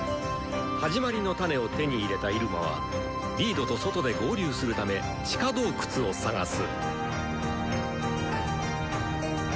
「始まりのタネ」を手に入れたイルマはリードと外で合流するため地下洞窟を探す。